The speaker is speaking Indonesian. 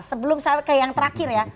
sebelum saya ke yang terakhir ya